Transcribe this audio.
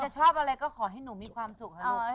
ชอบอะไรก็ขอให้หนูมีความสุขค่ะลูก